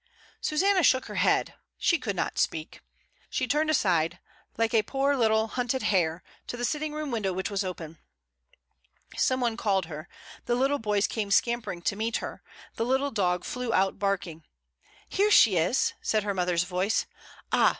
Susanna shook her head; she could not speak. She turned aside, like a poor little hunted hare, to the sitting room window which was open. Some one called her; the little boys came scampering to meet her; the little dog flew out barking. "Here she is," said her mother's voice. "Ah!